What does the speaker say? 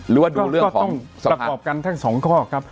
หรือว่าดูเรื่องของประกอบกันทั้งสองข้อครับ